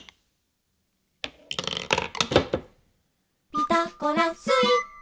「ピタゴラスイッチ」